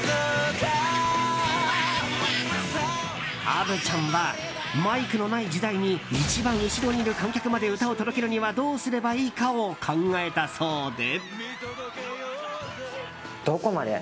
アヴちゃんはマイクのない時代に一番後ろにいる観客まで歌を届けるにはどうすればいいかを考えたそうで。